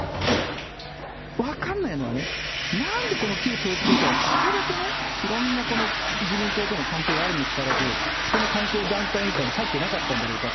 分かんないのはね、なんでこの旧統一教会はこれだけいろんな自民党との関係があるにもかかわらず、この関係団体委員会に入ってなかったんだろうかって。